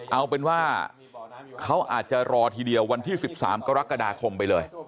เอาเป็นว่าเขาอาจจะรอทีเดียววันที่๑๓กรกฎาคมไปเลย